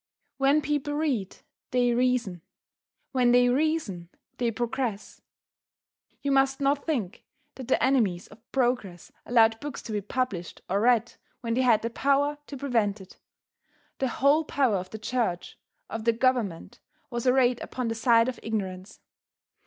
When people read, they reason, when they reason they progress. You must not think that the enemies of progress allowed books to be published or read when they had the power to prevent it. The whole power of the church, of the government, was arrayed upon the side of ignorance.